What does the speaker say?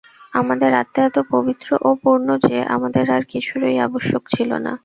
আমাদের আত্মা এত পবিত্র ও পূর্ণ যে, আমাদের আর কিছুরই আবশ্যক ছিল না।